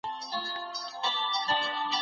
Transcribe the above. سیاست یوازې په دولت پورې مه تړئ.